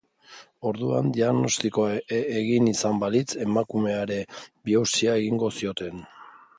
Orduan diagnostikoa egin izan balitz, emakumeari biopsia egingo zioten.